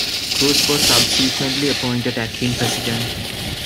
Cruz was subsequently appointed acting president.